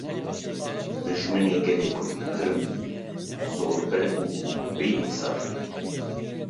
Dijminê gelê kurd pir in, zorbe û bêînsaf in.